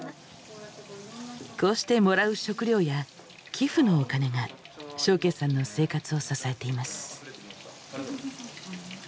こうしてもらう食料や寄付のお金が祥敬さんの生活を支えています。